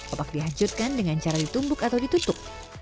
obak dihancurkan dengan cara ditumbuk atau ditutup